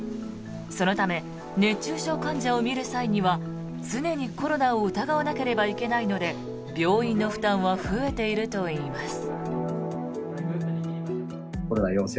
そのため熱中症患者を診る際には常にコロナを疑わなければいけないので病院の負担は増えているといいます。